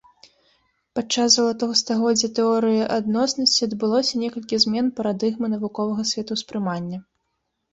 Падчас залатога стагоддзя тэорыі адноснасці адбылося некалькі змен парадыгмы навуковага светаўспрымання.